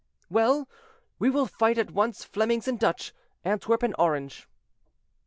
"Well, we will fight at once Flemings and Dutch, Antwerp and Orange."